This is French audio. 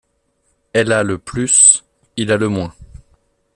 Elle a le plus… il a le moins